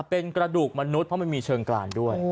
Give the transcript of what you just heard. เป็นกระดูกมนุษย์เพราะมันมีเชิงกรานด้วย